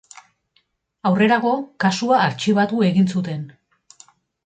Aurrerago, kasua artxibatu egin zuten.